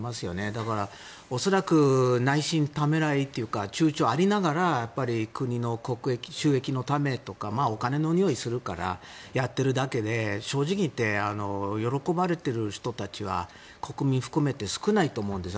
だから、恐らく内心、ためらいというか躊躇はありながら国の国益、収益のためとかお金のにおいがするからやっているだけで正直言って喜ばれてる人たちは国民含めて少ないと思うんです。